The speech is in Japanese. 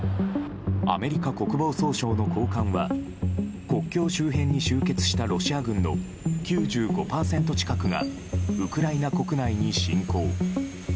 アメリカ国防総省の高官は国境周辺に集結したロシア軍の９５％近くがウクライナ国内に侵攻。